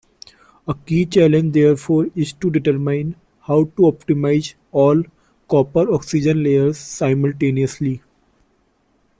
A key challenge therefore is to determine how to optimize all copper-oxygen layers simultaneously.